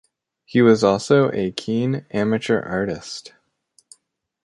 He was also a keen amateur artist.